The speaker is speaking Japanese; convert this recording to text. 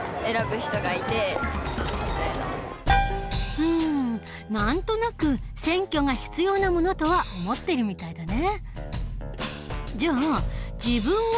うん何となく選挙が必要なものとは思っているみたいだね。